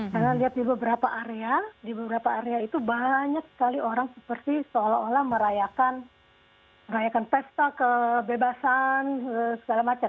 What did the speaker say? karena lihat di beberapa area di beberapa area itu banyak sekali orang seperti seolah olah merayakan merayakan pesta kebebasan segala macam